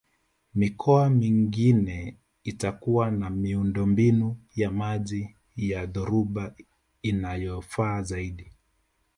Mikoa mingine itakuwa na miundombinu ya maji ya dhoruba inayofaa zaidi